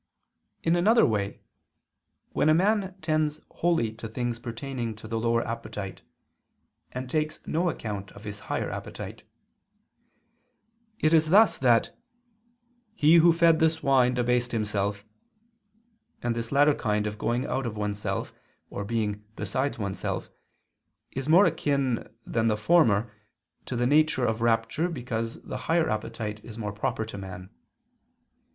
In another way, when a man tends wholly to things pertaining to the lower appetite, and takes no account of his higher appetite. It is thus that "he who fed the swine debased himself"; and this latter kind of going out of oneself, or being beside oneself, is more akin than the former to the nature of rapture because the higher appetite is more proper to man.